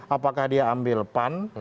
apakah dia ambil pan